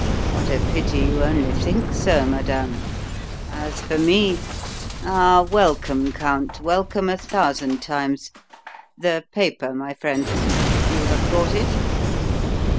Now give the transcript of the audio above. "What a pity you only think so, madame! As for me Ah, welcome, Count, welcome a thousand times. The paper, my friend; you have brought it?